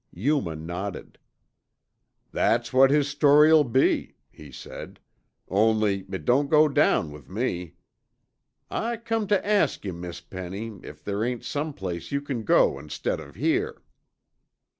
Yuma nodded. "That's what his story'll be," he said, "only, it don't go down with me. I come tuh ask yuh, Miss Penny, if there ain't some place you can go instead o' here."